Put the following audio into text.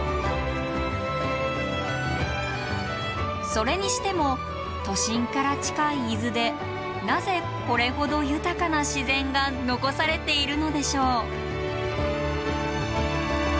それにしても都心から近い伊豆でなぜこれほど豊かな自然が残されているのでしょう？